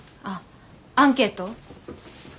ああアンケート？